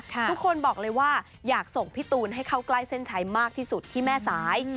ทุกคนบอกเลยว่าอยากส่งพี่ตูนให้เข้าใกล้เส้นชัยมากที่สุดที่แม่สาย